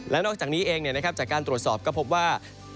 และนอกจากนี้เองจากการตรวจสอบก็พบว่า